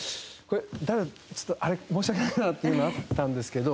ダルちょっと申し訳ないなっていうのあったんですけど。